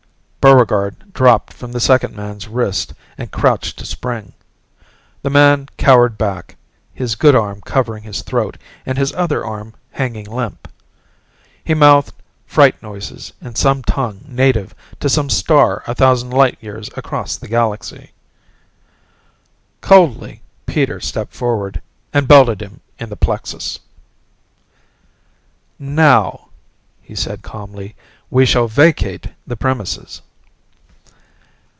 Buregarde dropped from the second man's wrist and crouched to spring. The man cowered back, his good arm covering his throat and his other arm hanging limp. He mouthed fright noises in some tongue native to some star a thousand light years across the galaxy. Coldly, Peter stepped forward and belted him in the plexus. "Now," he said calmly, "we shall vacate the premises!"